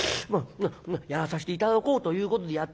「やらさして頂こうということで」。